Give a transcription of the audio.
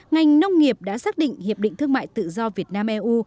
ngành nông nghiệp đã xác định hiệp định thương mại tự do việt nam eu